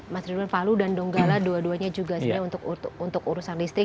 mas tribun palu dan donggala dua duanya juga sebenarnya untuk urusan listrik